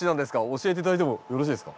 教えて頂いてもよろしいですか。